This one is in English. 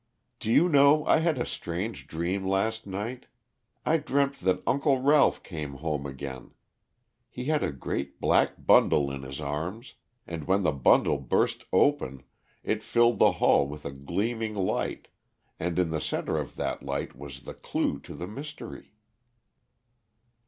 "Do you know I had a strange dream last night. I dreamt that Uncle Ralph came home again. He had a great black bundle in his arms, and when the bundle burst open it filled the hall with a gleaming light, and in the center of that light was the clue to the mystery."